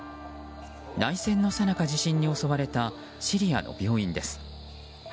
内戦のさなか地震に襲われたシリアの病院です。